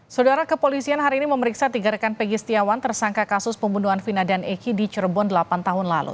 saudara kepolisian hari ini memeriksa tiga rekan pegi setiawan tersangka kasus pembunuhan vina dan eki di cirebon delapan tahun lalu